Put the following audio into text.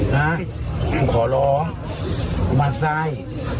นะขอร้องมาสร้าย